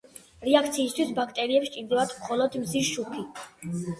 რეაქციისათვის ბაქტერიებს სჭირდებათ მხოლოდ მზის შუქი.